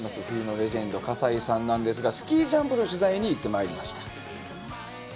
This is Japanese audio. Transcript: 冬のレジェンド葛西さんなんですがスキージャンプの取材に行ってまいりました。